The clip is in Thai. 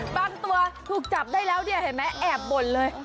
บางตัวถูกจับได้แล้วเนี่ยเห็นไหมแอบบ่นเลย